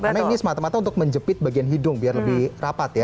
karena ini semata mata untuk menjepit bagian hidung biar lebih rapat ya